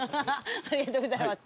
ありがとうございます。